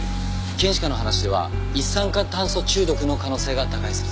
検視官の話では一酸化炭素中毒の可能性が高いそうです。